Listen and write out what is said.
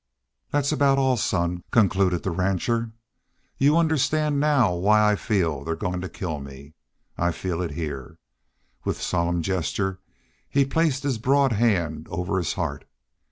"That's aboot all, son," concluded the rancher. "You understand now why I feel they're goin' to kill me. I feel it heah." With solemn gesture he placed his broad hand over his heart.